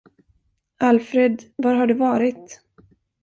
Afred, var har du varit?